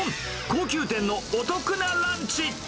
高級店のお得なランチ。